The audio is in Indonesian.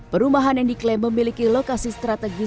perumahan yang diklaim memiliki lokasi strategis